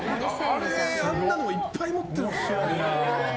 あんなのいっぱい持ってるんだね。